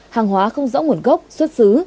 hàng hóa không rõ nguồn gốc xuất xứ